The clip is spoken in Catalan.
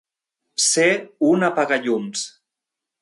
Ser un apagallums.